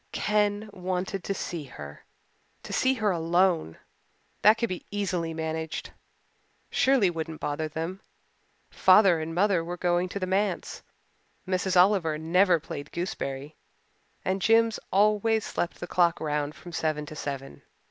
Ken wanted to see her to see her alone. That could be easily managed. Shirley wouldn't bother them, father and mother were going to the Manse, Miss Oliver never played gooseberry, and Jims always slept the clock round from seven to seven.